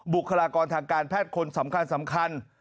บุคลากรทางการแพทย์คนสำคัญ